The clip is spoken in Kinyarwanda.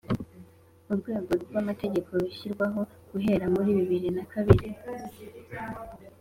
urwego rw'amategeko ruzashyirwaho guhera muri bibiri na kabiri